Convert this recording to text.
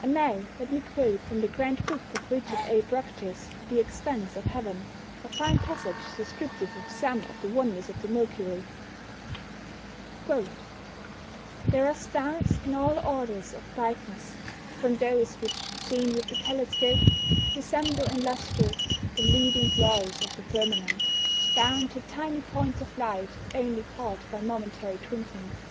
And now let me quote from that grand book of Richard A. Proctor's, The Expanse of Heaven, a fine passage descriptive of some of the wonders of the "Milky Way": There are stars in all orders of brightness, from those which (seen with the telescope) resemble in lustre the leading glories of the firmament, down to tiny points of light only caught by momentary twinklings.